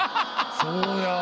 そうや。